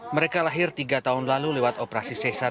mereka lahir tiga tahun lalu lewat operasi sesar